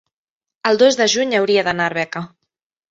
el dos de juny hauria d'anar a Arbeca.